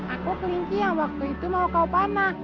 aku kelinci yang waktu itu mau kau panah